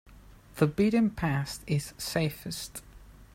The beaten path is safest.